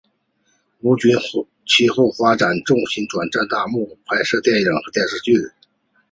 吴尊其后发展重心转战大银幕拍摄电影和电视剧。